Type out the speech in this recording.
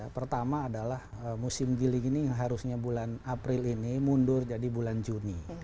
pertama adalah musim giling ini yang harusnya bulan april ini mundur jadi bulan juni